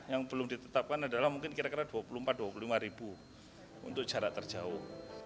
yang belum ditetapkan adalah mungkin kira kira dua puluh empat dua puluh lima ribu untuk jarak terjauh